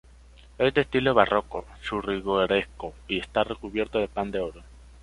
Es de estilo barroco churrigueresco y está recubierto de pan de oro.